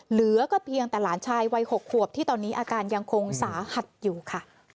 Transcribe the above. เหลือก็เพียงแต่หลานชายวัย๖ขวบที่ตอนนี้อาการยังคงสาหัสอยู่ค่ะ